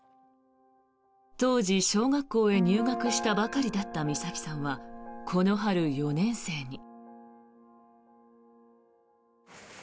当時、小学校へ入学したばかりだった美咲さんはこの春、４年生に。